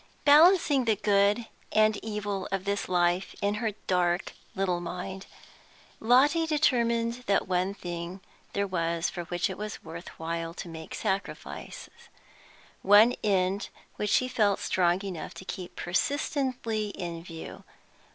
Balancing the good and evil of this life in her dark little mind, Lotty determined that one thing there was for which it was worth while to make sacrifices, one end which she felt strong enough to keep persistently in view.